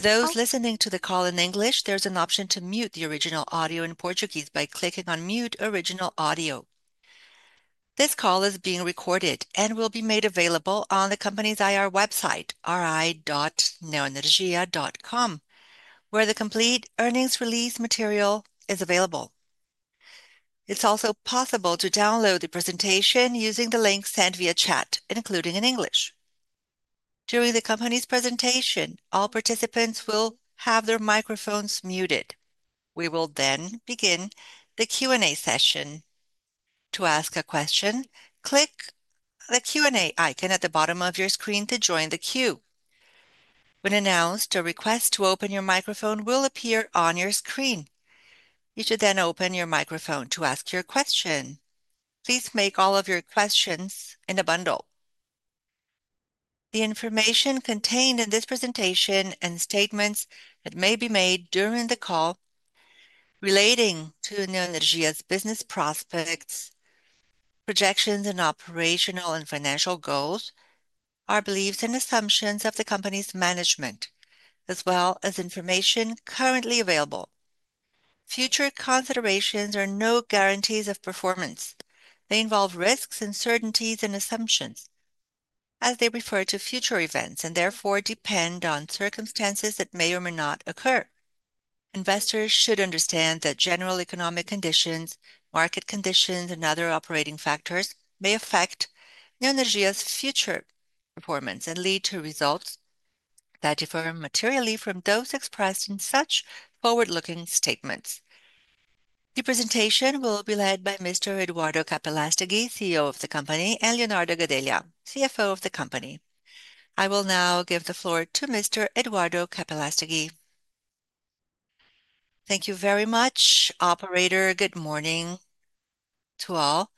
For those listening to the call in English, there's an option to mute the original audio in This call is being recorded and will be made available on the company's IR website, ri.neonergia.com, where the complete earnings release material is available. It's also possible to download the presentation using the link sent via chat, including in English. During the company's presentation, all participants will have their microphones muted. We will then begin the Q and A session. The information contained in this presentation and statements that may be made during the call relating to Neoenergia's business prospects, projections and operational and financial goals, our beliefs and assumptions of the company's management as well as information currently available. Future considerations are no guarantees of performance. They involve risks, uncertainties and assumptions as they refer to future events and, therefore, depend on circumstances that may or may not occur. Investors should understand that general economic conditions, market conditions and other operating factors may affect NeoNazia's future performance and lead to results that differ materially from those expressed in such forward The presentation will be led by Mr. Eduardo Capelastegui, CEO of the company and Leonardo Gadellia, CFO of the company. I will now give the floor to Mr. Eduardo Capelastegui. Thank you very much, operator. Good morning to all.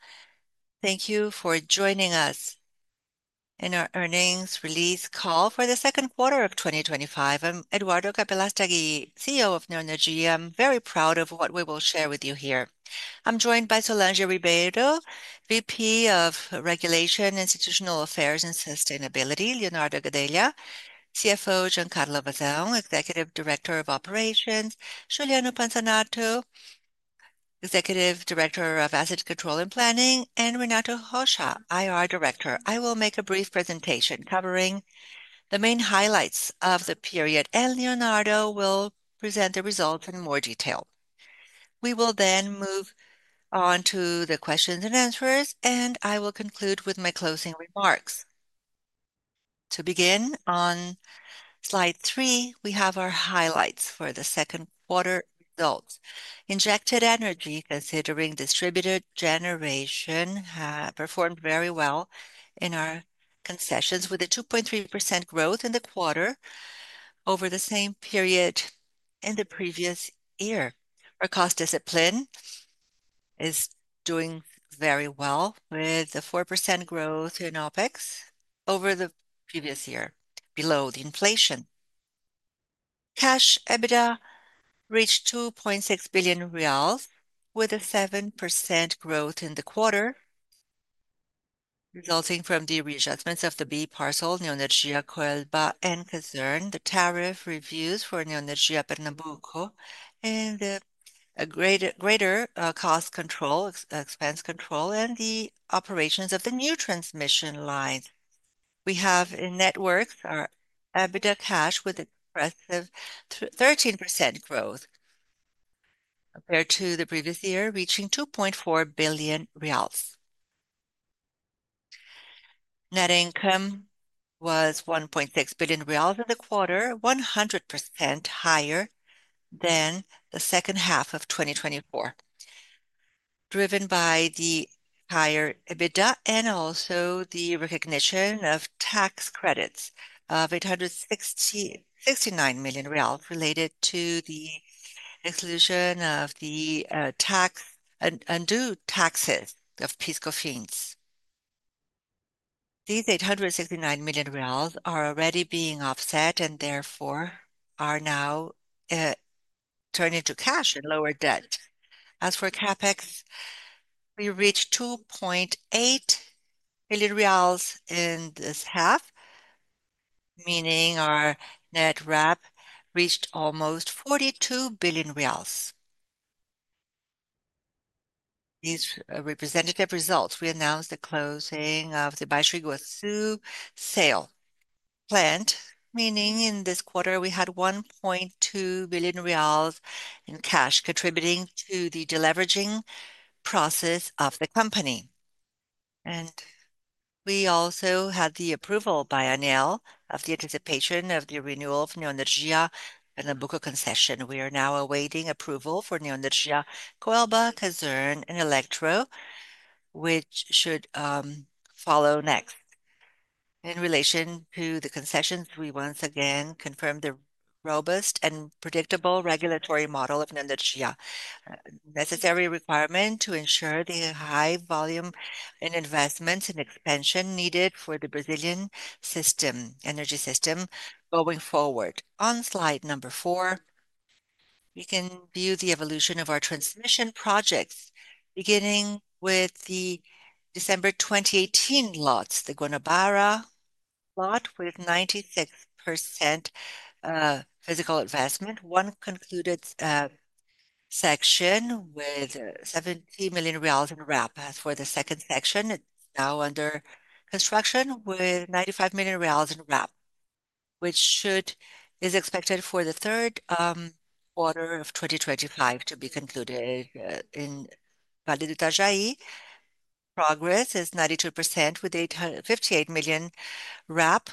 Thank you for joining us in our earnings release call for the second quarter of twenty twenty five. I'm Eduardo Capella Staghi, CEO of Neuronergy. I'm very proud of what we will share with you here. I'm joined by Solanja Ribeiro, VP of Regulation, Institutional Affairs and Sustainability Leonardo Gedelia CFO, Giancarlo Bazao, Executive Director of Operations Giuliano Panzanato, Executive Director of Asset Control and Planning and Renato Hoscha, IR Director. I will make a brief presentation covering the main highlights of the period, and Leonardo will present the results in more detail. We will then move on to the questions and answers, and I will conclude with my closing remarks. To begin on Slide three, we have our highlights for the second quarter results. Injected energy, considering distributed generation, performed very well in our concessions with a 2.3% growth in the quarter over the same period in the previous year. Our cost discipline is doing very well with a 4% growth in OpEx over the previous year, below the inflation. Cash EBITDA reached 2,600,000,000.0 reais with a 7% growth in the quarter, resulting from the readjustments of the B Parcel, Neonergia Coelba and Concern, the tariff reviews for Neonetsia Pernambuco and a greater cost control expense control and the operations of the new transmission lines. We have in networks our EBITDA cash with impressive 13% growth compared to the previous year, reaching BRL 2,400,000,000.0. Net income was BRL 1,600,000,000.0 in the quarter, 100% higher than the second half of twenty twenty four, driven by the higher EBITDA and also the recognition of tax credits of BRL $869,000,000 related to the exclusion of the tax undue taxes of PISCOFINS. These BRL $869,000,000 are already being offset and therefore are now turning to cash and lower debt. As for CapEx, we reached 2,800,000,000.0 reais in this half, meaning our net RAP reached almost BRL 42,000,000,000. These representative results, we announced the closing of the Baixiriguatu sale plant, meaning in this quarter, we had BRL 1,200,000,000.0 in cash contributing to the deleveraging process of the company. And we also had the approval by ANEEL of the anticipation of the renewal of Neo Energia and the book of concession. We are now awaiting approval for Neonergia, Coelba, Kasirn, and Electro, which should follow next. In relation to the concessions, we once again confirm the robust and predictable regulatory model of Nendergia, necessary requirement to ensure the high volume and investments and expansion needed for the Brazilian system energy system going forward. On Slide number four, you can view the evolution of our transmission projects beginning with the December 2018 lots, the Guanabara lot with 96% physical investment, one concluded section with 70,000,000 in wrap. As for the second section, it's now under construction with 95,000,000 reais in wrap, which should is expected for the 2025 to be concluded in Vale Del Tajai. Progress is 92% with 58,000,000 wrap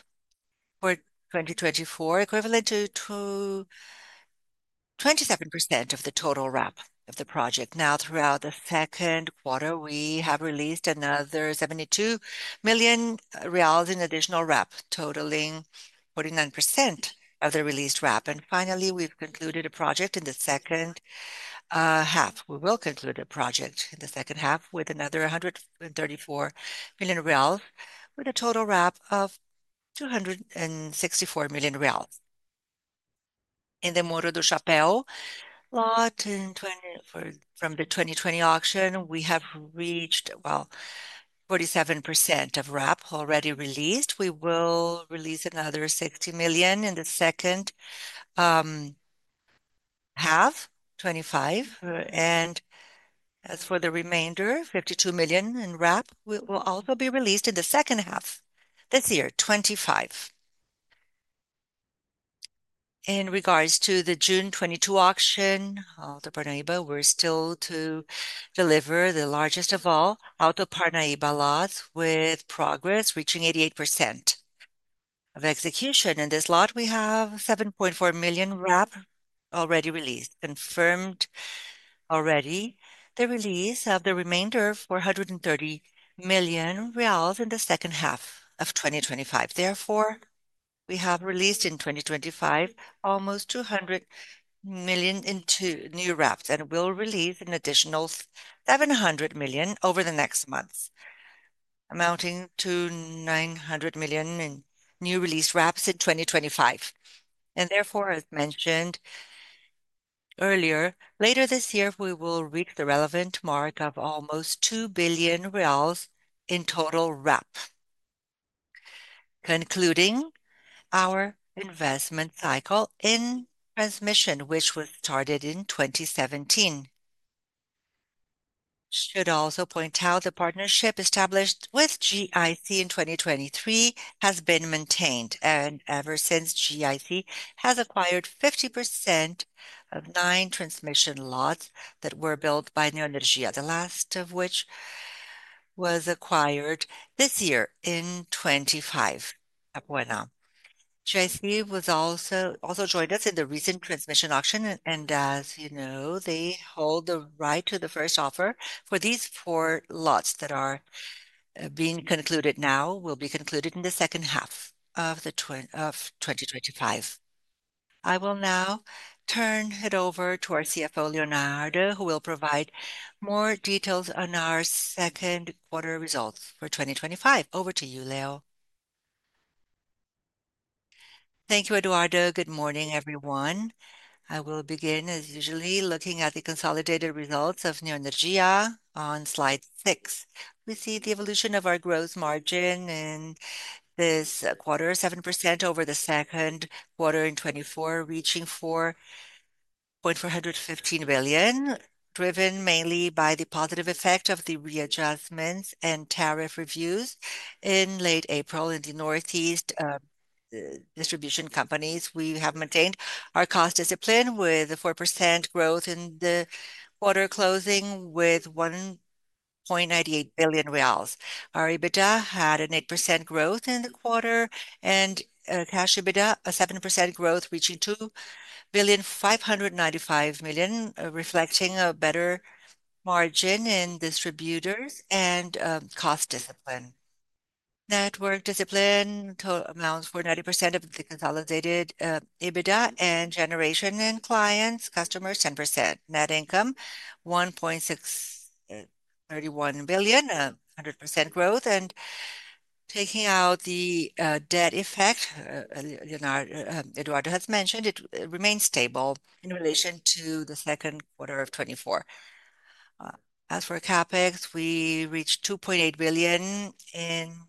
for 2024 equivalent to 27% of the total wrap of the project. Now throughout the second quarter, we have released another 72,000,000 reais in additional wrap totaling 49% of the released RAP. And finally, we've concluded a project in the second half. We will conclude a project in the second half with another 134,000,000 real with a total RAP of $264,000,000. In the Moro Do Chappeo lot from the twenty twenty auction, we have reached, well, 47% of RAP already released. We will release another 60,000,000 in the second half, 25,000,000. And as for the remainder, 52,000,000 in RAP will also be released in the second half this year, 25,000,000. In regards to the June 22 auction, Alto Parnaiba, we're still to deliver the largest of all Alto Parnaiba lots with progress reaching 88% of execution. In this lot, we have 7,400,000.0 already released, confirmed already the release of the remainder BRL $430,000,000 in the second half of twenty twenty five. Therefore, we have released in 2025 almost 200,000,000 into new reps and will release an additional 700,000,000 over the next months, amounting to 900,000,000 in new release wraps in 2025. And therefore, as mentioned earlier, later this year, we will reach the relevant mark of almost 2,000,000,000 reais in total wrap. Concluding our investment cycle in transmission, which was started partnership established with GIC in 2023 has been maintained. And ever since GIC has acquired 50% of nine transmission lots that were built by Neonergia, the last of which was acquired this year in '25. Was also also joined us in the recent transmission auction. And as you know, they hold the right to the first offer for these four lots that are being concluded now will be concluded in the second half of twenty twenty five. I will now turn it over to our CFO, Leonardo, who will provide more details on our second quarter results for 2025. Over to you, Leo. Thank you, Eduardo. Good morning, everyone. I will begin as usually looking at the consolidated results of Neoenergia on Slide six. We see the evolution of our gross margin in this quarter, 7% over the second quarter in 2024, reaching 4,415,000,000.000, driven mainly by the positive effect of the readjustments and tariff reviews in late April in the Northeast distribution companies. We have maintained our cost discipline with a 4% growth in the quarter closing with 1,980,000,000.00. Our EBITDA had an 8% growth in the quarter and cash EBITDA, a 7% growth reaching 2,595,000,000.000, reflecting a better margin in distributors and cost discipline. Network discipline amounts for 90% of the consolidated EBITDA and generation and clients, customers 10%. Net income R1.6 $31,000,000,000, 100% growth. And taking out the debt effect, Eduardo has mentioned, it remains stable in relation to the second quarter of 'twenty four. As for CapEx, we reached 2,800,000,000.0 in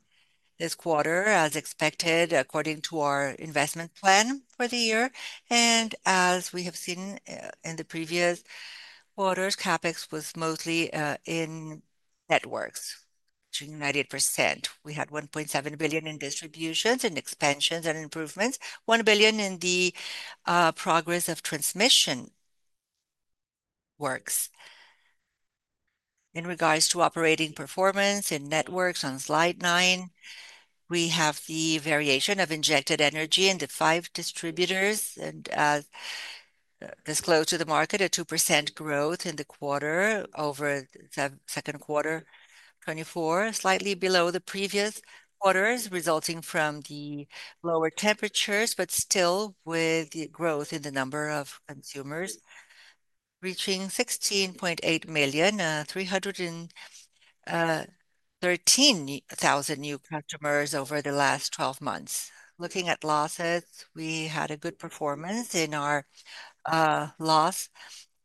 this quarter as expected according to our investment plan for the year. And as we have seen in the previous quarters, CapEx was mostly in networks to 98%. We had 1,700,000,000.0 in distributions and expansions and improvements, 1,000,000,000 in the progress of transmission works. In regards to operating performance and networks on Slide nine, we have the variation of injected energy and the five distributors and disclosed to the market a 2% growth in the quarter over the second quarter twenty twenty four, slightly below the previous quarters resulting from the lower temperatures, but still with the growth in the number of consumers reaching 16,800,000, 313,000 new customers over the last twelve months. Looking at losses, we had a good performance in our loss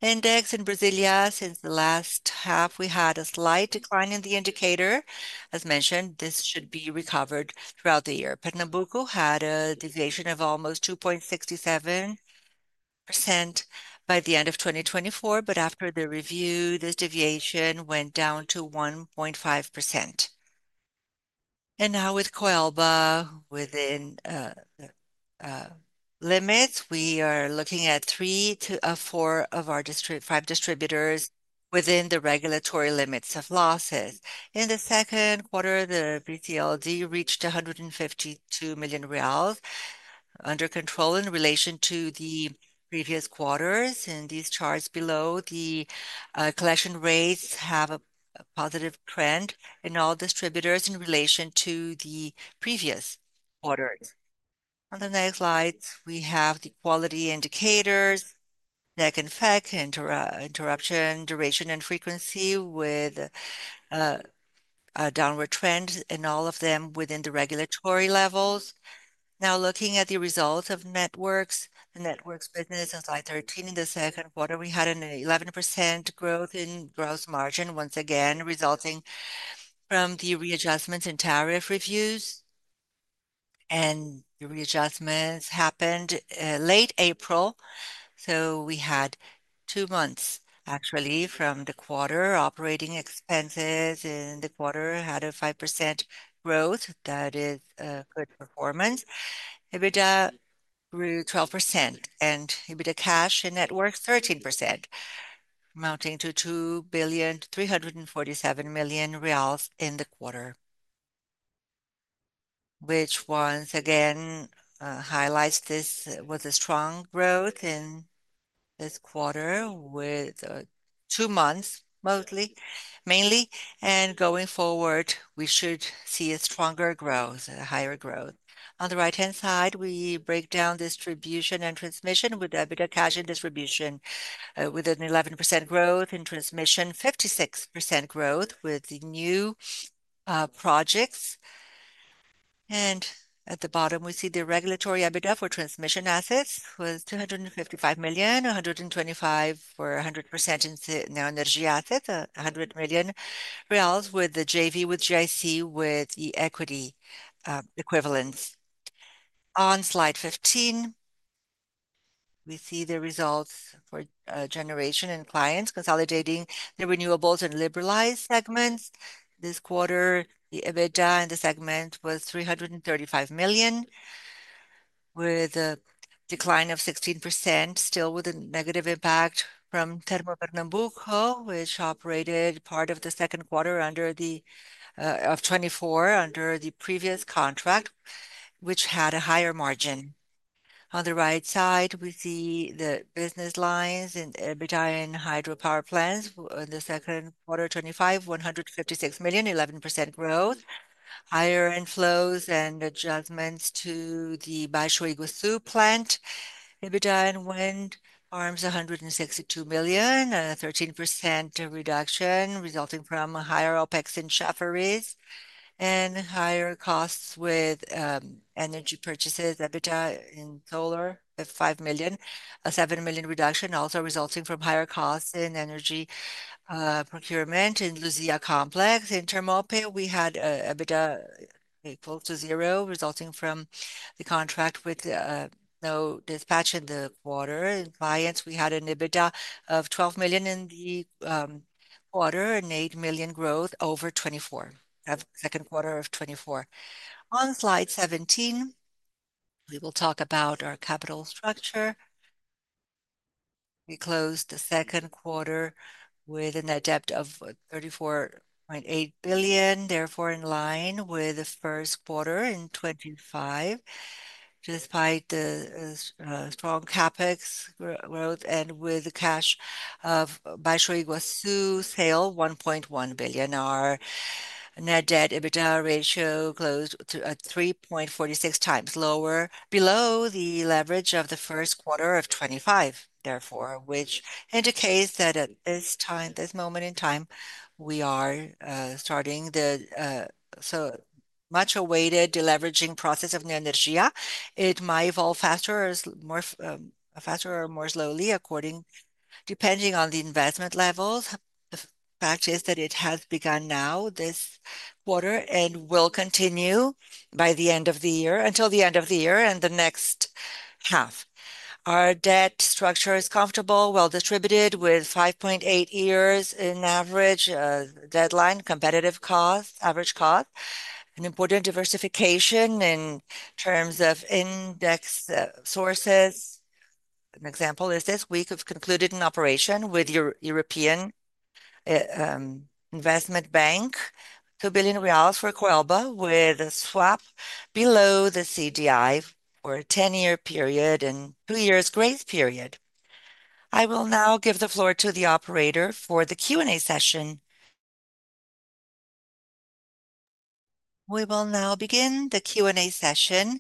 index in Brasilia. Since the last half, we had a slight decline in the indicator. As mentioned, this should be recovered throughout the year. Pernambuco had a deviation of almost 2.67% by the end of twenty twenty four, but after the review, this deviation went down to 1.5%. And now with Coelba within limits, we are looking at three to four of our five distributors within the regulatory limits of losses. In the second quarter, the BCLD reached BRL 152,000,000 under control in relation to the previous quarters. And these charts below the collection rates have a positive trend in all distributors in relation to the previous quarters. On the next slide, have the quality indicators, neck and neck interruption, duration and frequency with downward trend in all of them within the regulatory levels. Now looking at the results of networks, the networks business on Slide 13 in the second quarter, we had an 11% growth in gross margin, once again, resulting from the readjustments in tariff reviews. And the readjustments happened late April. So we had two months actually from the quarter. Operating expenses in the quarter had a 5% growth. That is a good performance. EBITDA grew 12% and EBITDA cash in networks 13%, amounting to 2,347,000,000.000 reais in the quarter, which once again highlights this with a strong growth in this quarter with two months mostly mainly. And going forward, we should see a stronger growth, a higher growth. On the right hand side, we break down distribution and transmission with EBITDA cash and distribution with an 11% growth in transmission, 56% growth with the new projects. And at the bottom, we see the regulatory EBITDA for transmission assets was BRL $255,000,000, 125,000,000 for 100% in energy assets, 100,000,000 with the JV with GIC with the equity equivalents. On Slide 15, we see the results for generation and clients consolidating the renewables and liberalized segments. This quarter, the EBITDA in the segment was $335,000,000 with a decline of 16%, still with a negative impact from Termo Pernambuco, which operated part of the second quarter under the of 24,000,000 under the previous contract, which had a higher margin. On the right side, we see the business lines and EBITDA in hydropower plants in the second quarter twenty twenty five, 156,000,000, 11% growth. Higher inflows and adjustments to the Baixoigosu plant. EBITDA in wind farms, 162,000,000, a 13% reduction resulting from a higher OpEx in Chafaris and higher costs with energy purchases, EBITDA in solar at 5,000,000, a 7,000,000 reduction also resulting from higher costs in energy procurement in Luzia Complex. In Termalpay, we had EBITDA equal to zero resulting from the contract with no dispatch in the quarter. In clients, we had an EBITDA of 12,000,000 in the quarter and 8,000,000 growth over twenty four second quarter of twenty twenty four. On Slide 17, we will talk about our capital structure. We closed the second quarter with an debt of 34,800,000,000.0, therefore, line with the first quarter in twenty twenty five despite the strong CapEx growth and with the cash of Baixo Iguacu sale, 1,100,000,000.0. Our net debt EBITDA ratio closed to a 3.46 times lower, below the leverage of the first quarter of twenty five, therefore, which indicates that at this time this moment in time, we are starting the so much awaited deleveraging process of Neo Energia. It might evolve faster or or more more slowly according depending on the investment levels. Fact is that it has begun now this quarter and will continue by the end of the year until the end of the year and the next half. Our debt structure is comfortable, well distributed with five point eight years in average deadline, competitive cost, average cost, an important diversification in terms of index sources. An An example is this week of concluded an operation with European Investment Bank, 2,000,000,000 for Coelba with a swap below the CDI for a ten year period and two years grace period. I will now give the floor to the operator for the Q and A session. We will now begin the Q and A session.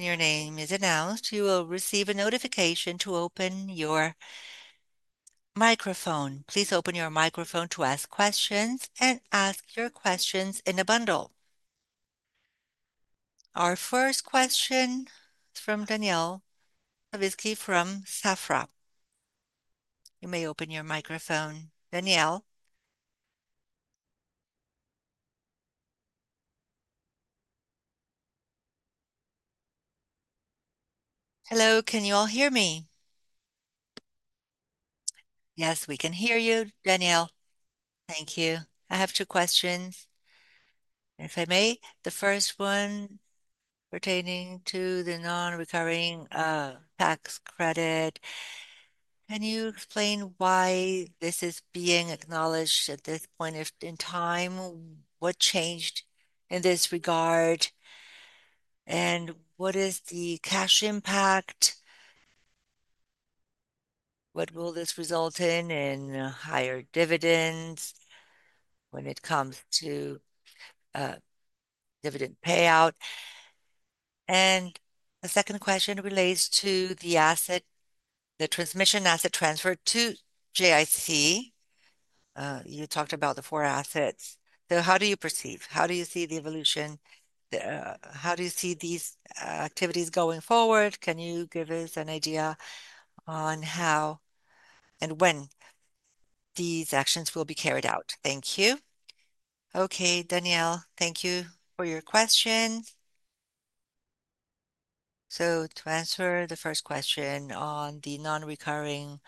You. Our first question is from Danielle Pawlowski from Safra. You may open your microphone, Danielle. Hello. Can you all hear me? Yes. We can hear you, Danielle. Thank you. I have two questions, if I may. The first one pertaining to the nonrecurring tax credit. Can you explain why this is being acknowledged at this point if in time? What changed in this regard? And what is the cash impact? What will this result in in higher dividends when it comes to dividend payout? And the second question relates to the asset, the transmission asset transfer to JIC. You talked about the four assets. So how do you perceive? How do you see the evolution? How do you see these activities going forward? Can you give us an idea on how and when these actions will be carried out. Thank you. Okay, Danielle. Thank you for your question. So to answer the first question on the nonrecurring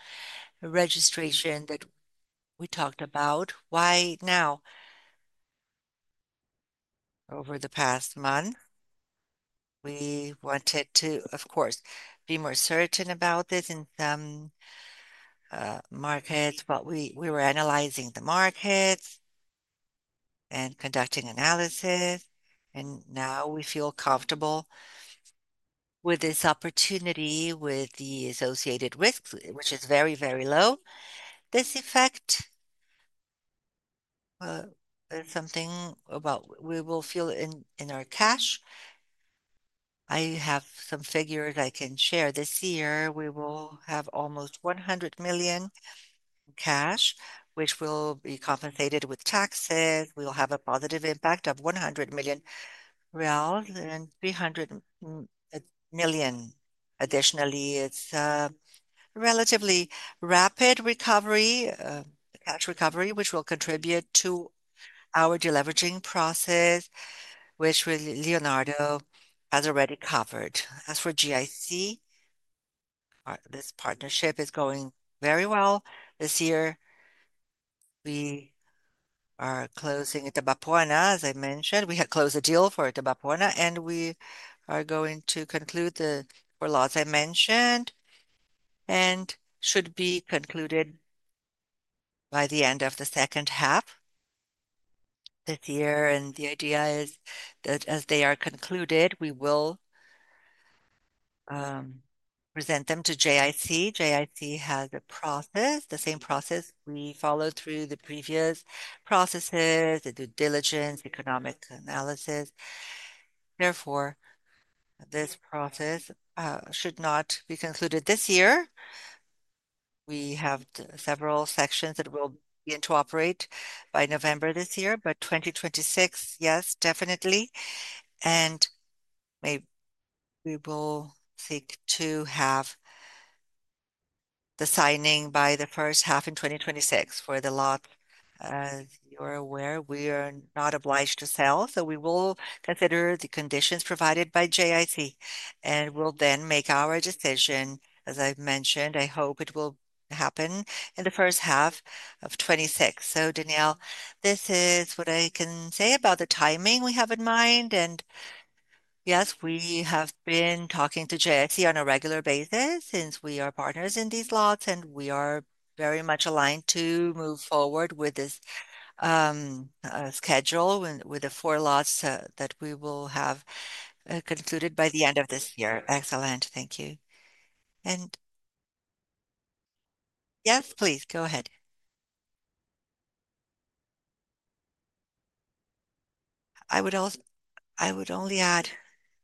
registration that we talked about. Why now? Over the past month, we wanted to, of course, be more certain about this in some markets, but we we were analyzing the markets and conducting analysis. And now we feel comfortable with this opportunity with the associated risks, which is very, very low. This effect is something about we will feel in in our cash. I have some figures I can share. This year, we will have almost 100,000,000 cash, which will be compensated with taxes. We will have a positive impact of 100,000,000 real and 300,000,000. Additionally, it's relatively rapid recovery cash recovery, which will contribute to our deleveraging process, which Leonardo has already covered. As for GIC, this partnership is going very well. This year, we are closing Tebapuana, as I mentioned. We had closed a deal for Tebapuana, and we are going to conclude the or as I mentioned and should be concluded by the end of the second half this year. And the idea is that as they are concluded, we will present them to JIC. JIC has a process, the same process. We follow through the previous processes, the due diligence, economic analysis. Therefore, this process should not be concluded this year. We have several sections that will be interoperate by November this year, but twenty twenty six, yes, definitely. And may we will seek to have the signing by the first half in 2026 for the lot. As you are aware, we are not obliged to sell, so we will consider the conditions provided by JIT, and we'll then make our decision. As I've mentioned, I hope it will happen in the first half of twenty six. So, Danielle, this is what I can say about the timing we have in mind. And, yes, we have been talking to JFC on a regular basis since we are partners in these lots, and we are very much aligned to move forward with this schedule when with the four lots that we will have concluded by the end of this year. Excellent. Thank you. And yes, please. Go ahead. I would also I would only add,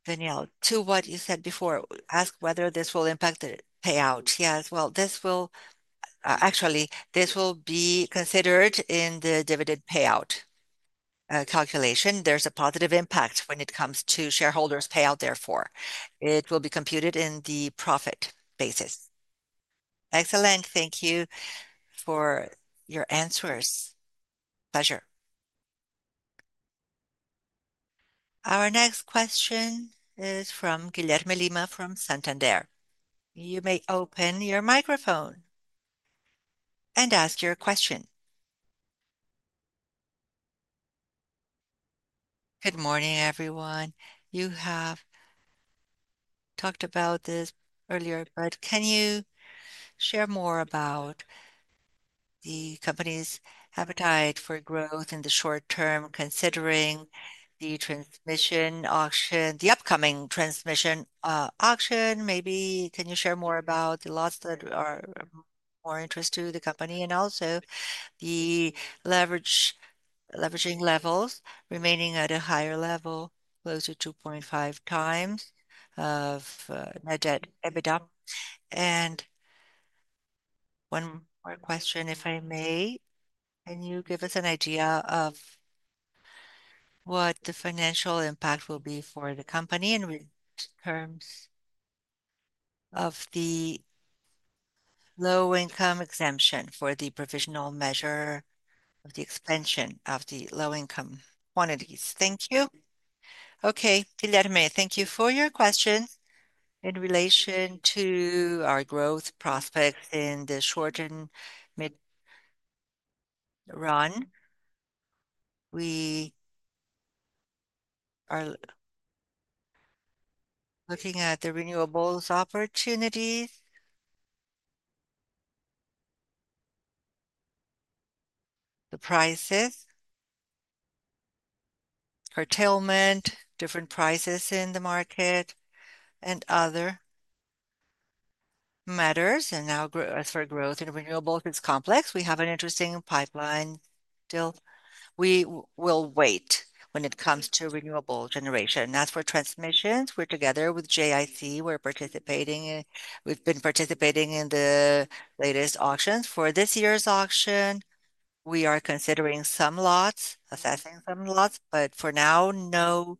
Daniel, to what you said before, ask whether this will impact the payout. Yes. Well, this will actually, this will be considered in the dividend payout calculation. There's a positive impact when it comes to shareholders payout, therefore. It will be computed in the profit basis. Our next question is from Guilherme Lima from Santander. Good morning, everyone. You have talked about this earlier, but can you share more about the company's appetite for growth in the short term considering the transmission auction the upcoming transmission auction? Maybe can you share more about the lots that are more interest to the company and also the leverage leveraging levels remaining at a higher level, close to 2.5 times of net debt EBITDA? And one more question, if I may. Can you give us an idea of what the financial impact will be for the company in terms of the low income exemption for the provisional measure of the expansion of the low income quantities. Thank you. Okay. Thank you for your question In relation to our growth prospects in the short and mid run, we are looking at the renewables opportunities, the prices, curtailment, different prices in the market, and other matters. And now as for growth in renewables, it's complex. We have an interesting pipeline still. We will wait when it comes to renewable generation. As for transmissions, we're together with JIC. We're participating we've been participating in the latest auctions. For this year's auction, we are considering some lots, assessing some lots. But for now, no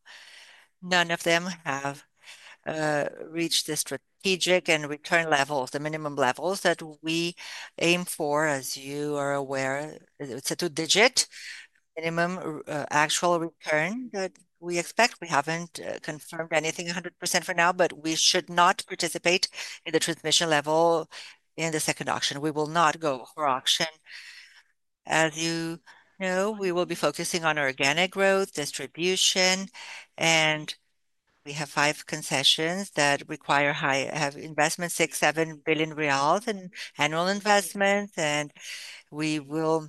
none of them have reached the strategic and return levels, the minimum levels that we aim for. As you are aware, it's two digit minimum actual return We haven't confirmed anything 100% for now, but we should not participate in the transmission level in the second auction. We will not go for auction. As you know, we will be focusing on organic growth, distribution, and we have five concessions that require high have investments, BRL $67,000,000,000 in annual investments, and we will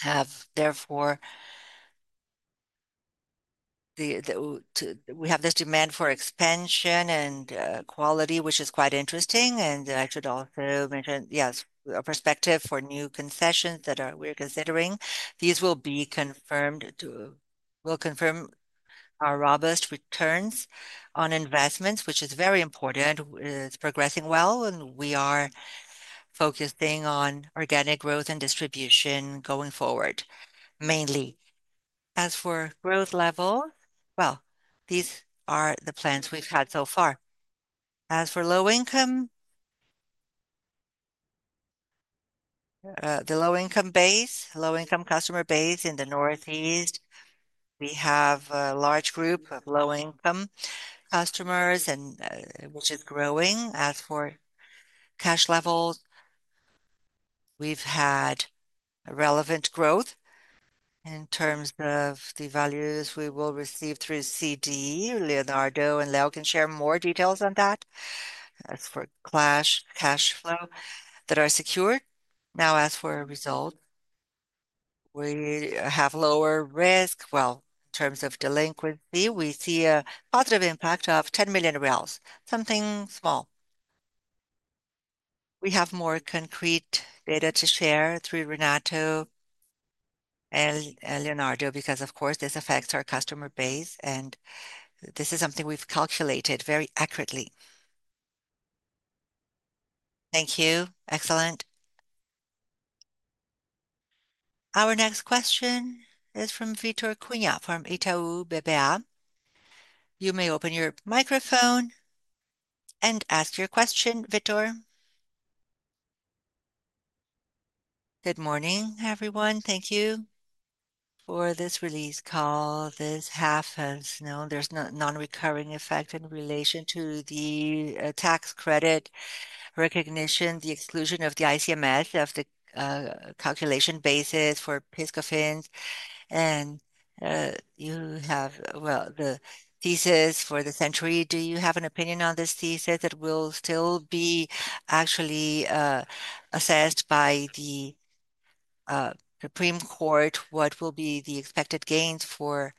have, therefore, the the have this demand for expansion and quality, which is quite interesting. And I should also mention, yes, a perspective for new concessions that are we're considering. These will be confirmed to will confirm our robust returns on investments, which is very important. It's progressing well, and we are focusing on organic growth and distribution going forward mainly. As for growth level, well, these are the plans we've had so far. As for low income, the low income base, low income customer base in the Northeast, We have a large group of low income customers and which is growing. As for cash levels, we've had relevant growth in terms of the values we will receive through CDE. Leonardo and Leo can share more details on that as for clash cash flow that are secured. Now as for a result, we have lower risk. Well, in terms of delinquency, we see a positive impact of 10,000,000 reais, something small. We have more concrete data to share through Renato and Leonardo because, of course, this affects our customer base, and this is something we've calculated very accurately. Our next question is from Vitor Kunya from Itau BBA. You may open your microphone and ask your question, Vitor. Good morning, everyone. Thank you for this release call. This half has now there's nonrecurring effect in relation to the tax credit recognition, the exclusion of the ICMS of the calculation basis for PISCOFINS, and you have well, the thesis for the century. Do you have an opinion on this thesis that will still be actually assessed by the Supreme Court what will be the expected gains for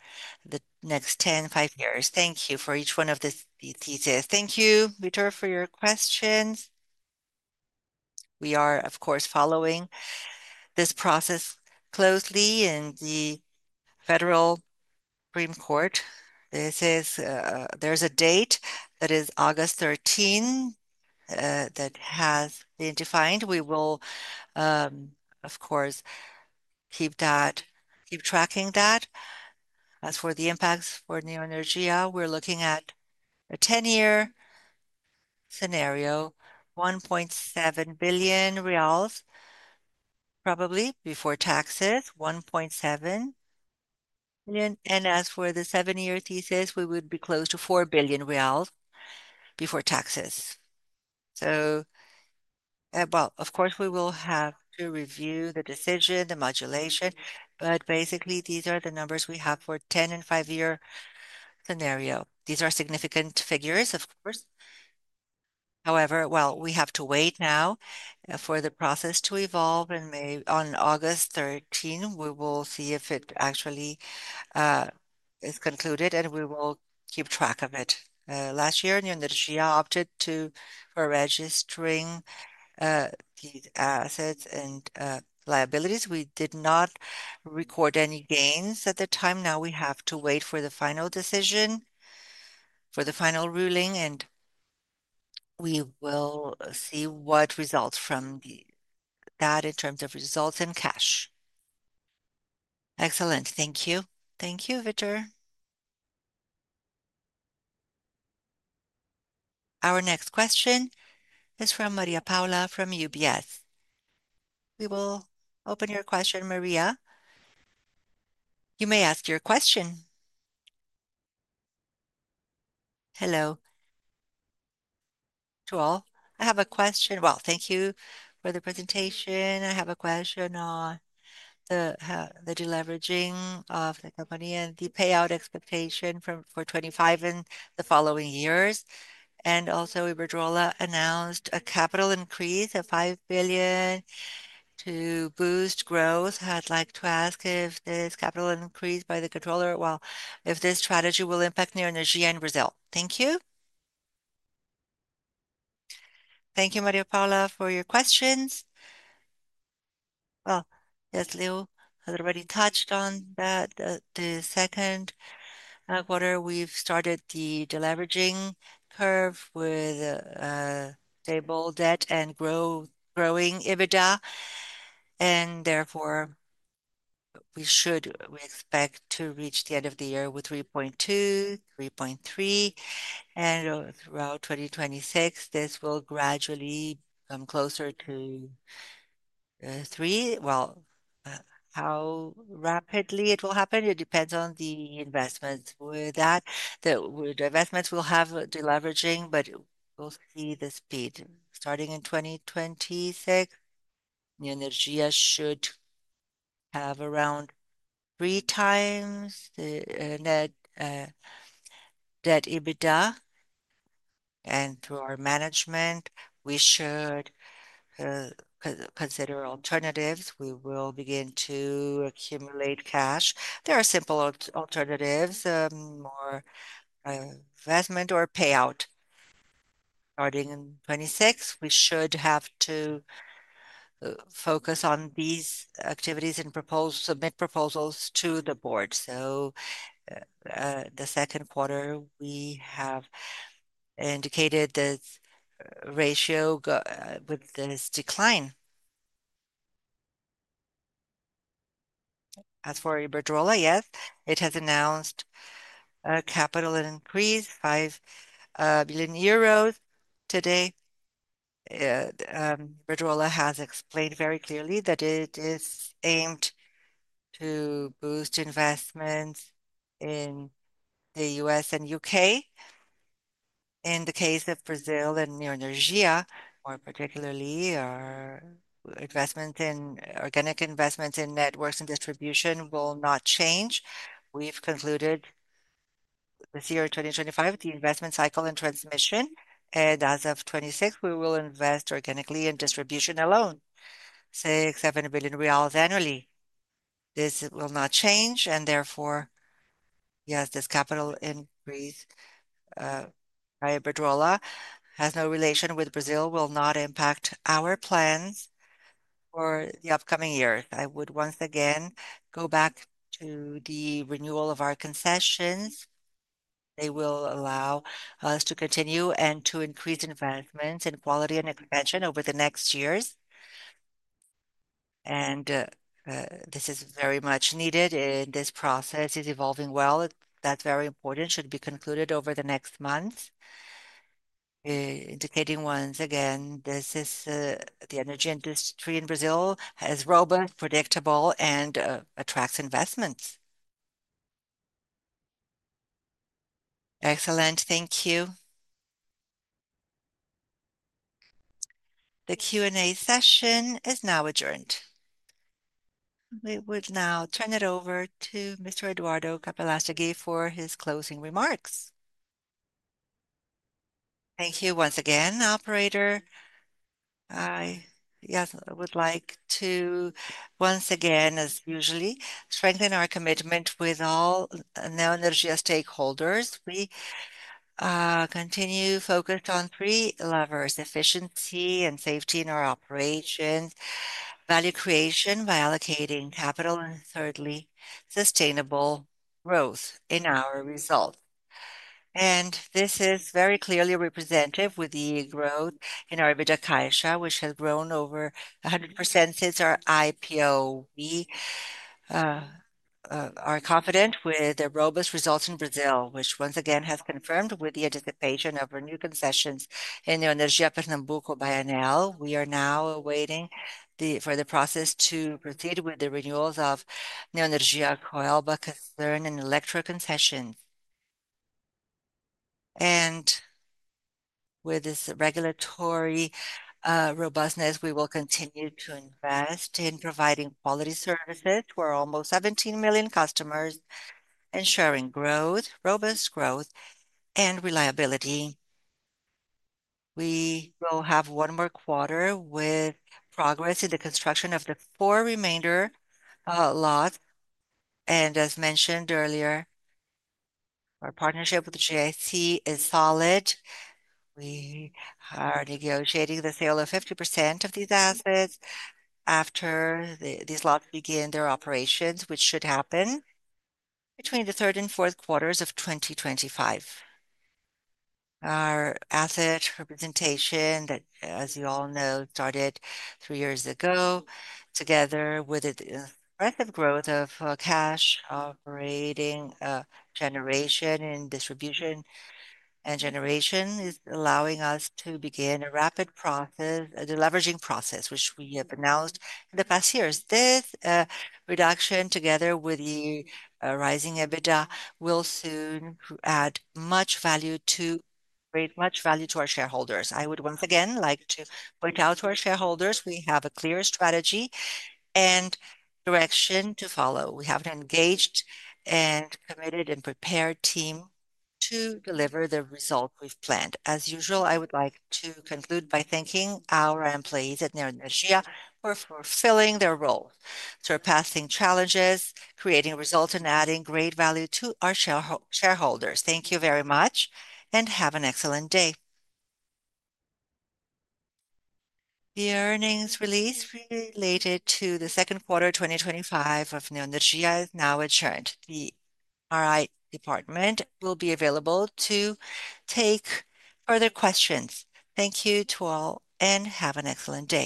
the next ten, five years. Thank you for each one of these thesis. Thank you, Victor, for your questions. We are, of course, following this process closely in the Federal Supreme Court. This is there's a date that is August 13, that has been defined. We will, of course, keep that keep tracking that. As for the impacts for Neoenergia, we're looking at a ten year scenario, 1,700,000,000 probably before taxes, 1,700,000,000.0. And as for the seven year thesis, we would be close to 4,000,000,000 reals before taxes. So well, of course, we will have to review the decision, the modulation. But, basically, these are the numbers we have for ten and five year scenario. These are significant figures, of course. However, well, we have to wait now for the process to evolve in May. On August 13, we will see if it actually is concluded, and we will keep track of it. Last year, Nyondellixia opted to for registering these assets and liabilities. We did not record any gains at the time. Now we have to wait for the final decision, for the final ruling, and we will see what results from the that in terms of results in cash. Our next question is from Maria Paula from UBS. We will open your question, Maria. You may ask your question. Hello to all. I have a question. Well, thank you for the presentation. I have a question on the deleveraging of the company and the payout expectation for 2025 in the following years. And also Iberdrola announced a capital increase of 5,000,000,000 to boost growth. I'd like to ask if this capital increase by the controller, well, if this strategy will impact near Energia in Brazil. Thank you. You, Mario Paula, for your questions. Well, yes, Leo had already touched on that. The second quarter, we've started the deleveraging curve with stable debt and grow growing EBITDA. And therefore, we should we expect to reach the end of the year with 3.2, 3.3. And throughout 2026, this will gradually come closer to three. Well, how rapidly it will happen? It depends on the investments. With that, the with the investments, we'll have deleveraging, but we'll see the speed. Starting in 2026, Energia should have around three times the net debt EBITDA. And through our management, we should consider alternatives. We will begin to accumulate cash. There are simple alternatives, more investment or payout. Starting in '26, we should have to focus on these activities and propose submit proposals to the board. So the second quarter, we have indicated this ratio with this decline. As for Iberdrola, yes, it has announced capital increase, €5,000,000,000 today. Yeah. Iberdrola has explained very clearly that it is aimed to boost investments in The US and UK. In the case of Brazil and Neo Energia, more particularly, our investment in organic investments in networks and distribution will not change. We've concluded this year 2025, the investment cycle and transmission. And as of '26, we will invest organically in distribution alone, say, 7,000,000,000 reais annually. This will not change, and therefore, yes, this capital increase by Iberdrola has no relation with Brazil, will not impact our plans for the upcoming year. I would once again go back to the renewal of our concessions. They will allow us to continue and to increase investments in quality and expansion over the next years. And this is very much needed. This process is evolving well. That's very important. It should be concluded over the next months, indicating once again, this is the energy industry in Brazil as robust, predictable and attracts investments. Excellent. Thank you. The Q and A session is now adjourned. We would now turn it over to Mr. Eduardo Capilastagi for his closing remarks. Thank you once again, operator. I would like to once again, as usually, strengthen our commitment with all Neandergea stakeholders. We continue focused on three levers, efficiency and safety in our operations, value creation by allocating capital and thirdly, sustainable growth in our result. And this is very clearly representative with the growth in our EBITDA, Caixa, which has grown over a 100% since our IPO. We are confident with the robust results in Brazil, which once again has confirmed with the anticipation of our new concessions in Neonergia Pernambuco Bayanal. We are now awaiting the for the process to proceed with the renewals of Neonergia Coelba concern and electroconcession. And with this regulatory robustness, we will continue to invest in providing quality services for almost 17,000,000 customers, ensuring growth, robust growth and reliability. We will have one more quarter with progress in the construction of the four remainder lot. And as mentioned earlier, our partnership with the GIC is solid. We are negotiating the sale of 50% of these assets after these lots begin their operations, which should happen between the third and fourth quarters of twenty twenty five. Our asset representation that, as you all know, started three years ago together with the breadth of growth of cash operating generation and distribution and generation is allowing us to begin a rapid process deleveraging process, which we have announced in the past years. This reduction, together with the rising EBITDA, will soon add much value to our shareholders. I would once again like to point out to our shareholders, we have a clear strategy and direction to follow. We have engaged and committed and prepared team to deliver the result we've planned. As usual, I would like to conclude by thanking our employees at Neuron Asia for fulfilling their role, surpassing challenges, creating results and adding great value to our shareholders. Thank you very much, and have an excellent day. The earnings release related to the second quarter twenty twenty five of Neon Dagia is now adjourned. The IR department will be available to take further questions. Thank you to all, and have an excellent day.